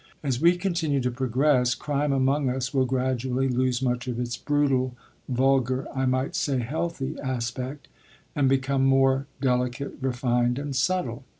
As we continue to progress, crime among us will gradually lose much of its brutal, vulgar, I might say healthy, aspect, and become more delicate, refined, and subtle.